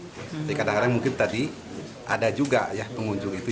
jadi kadang kadang mungkin tadi ada juga pengunjung itu